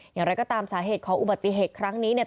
อย่างไรก็ตามสาเหตุของอุบัติเหตุครั้งนี้เนี่ย